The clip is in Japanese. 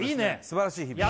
「すばらしい日々」